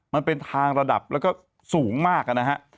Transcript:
มันเป็นทางระดับแล้วก็สูงมากนะฮะ